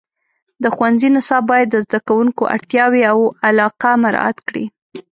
د ښوونځي نصاب باید د زده کوونکو اړتیاوې او علاقه مراعات کړي.